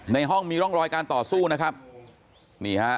ในห้องมีร่องรอยการต่อสู้นะครับนี่ฮะ